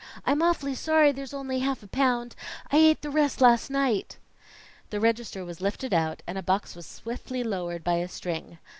"I'm awfully sorry there's only half a pound; I ate the rest last night." The register was lifted out, and a box was swiftly lowered by a string.